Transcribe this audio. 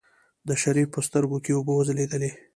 د شريف په سترګو کې اوبه وځلېدلې.